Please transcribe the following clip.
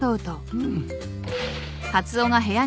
うん？